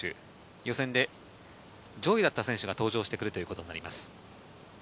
予選で上位だった選手が登場してくることになります。